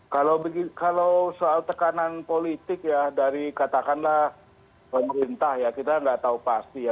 kalau soal tekanan politik ya dari katakanlah pemerintah ya kita nggak tahu pasti ya